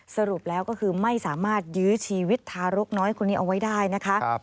สรุปแล้วก็คือไม่สามารถยื้อชีวิตทารกน้อยคนนี้เอาไว้ได้นะคะ